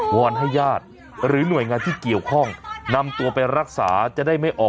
อนให้ญาติหรือหน่วยงานที่เกี่ยวข้องนำตัวไปรักษาจะได้ไม่ออก